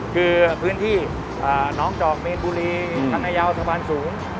คือพื้นที่น้องจอกมีนบุรีคันยาวสะพานสูง